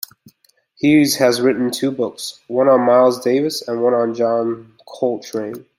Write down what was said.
He has written two books, one on Miles Davis and one on John Coltrane.